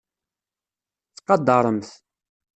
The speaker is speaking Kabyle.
Ttqadaṛemt.